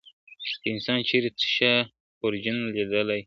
که انسان چیري تر شا خورجین لیدلای !.